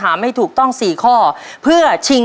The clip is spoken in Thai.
พร้อมไหมทัพทิม